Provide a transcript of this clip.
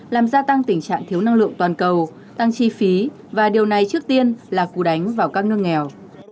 làm gia tăng tình trạng thiếu năng lượng toàn cầu tăng chi phí và điều này trước tiên là cú đánh vào các nước nghèo